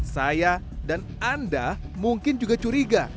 saya dan anda mungkin juga curiga